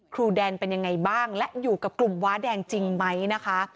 ครูแดนเป็นยังไงบ้างและอยู่กับกลุ่มว้าแดงจริงไหมนะคะ